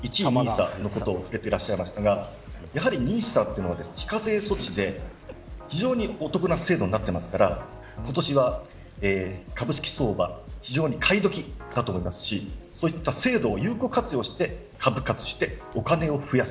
先ほどＮＩＳＡのことに触れていましたがＮＩＳＡは非課税措置で非常にお得な制度になっていますから今年は株式相場非常に買い時かと思いますしそういった制度を有効活用して株活してお金を増やす。